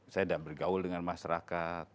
saya tidak bergaul dengan masyarakat